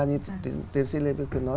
như tiến sĩ lê phương nói